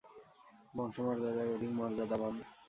বংশ মর্যাদায় অধিক মর্যাদাবান।